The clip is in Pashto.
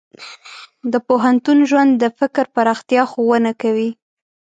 د پوهنتون ژوند د فکر پراختیا ښوونه کوي.